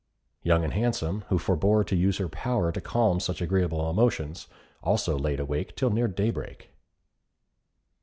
Young and Handsome, who forbore to use her power to calm such agreeable emotions, also laid awake till nearly daybreak.